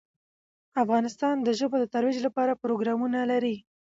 افغانستان د ژبو د ترویج لپاره پروګرامونه لري.